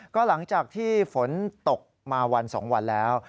ก็หลังจากที่ฝนตกมาวัน๒วันแล้ว